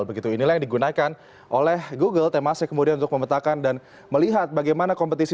begitu inilah yang digunakan oleh google temanya kemudian untuk memetakan dan melihat bagaimana kompetisi